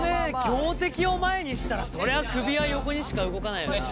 強敵を前にしたらそりゃ首は横にしか動かないな。